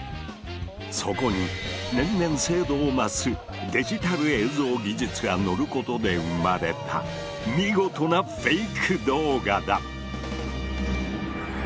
そこに年々精度を増すデジタル映像技術がのることで生まれた見事なフェイク動画だ。